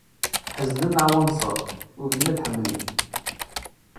Ḥeznen leɛwanṣer, ugin ad d-ḥemlen.